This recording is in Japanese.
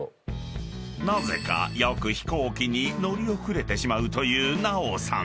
［なぜかよく飛行機に乗り遅れてしまうという奈緒さん。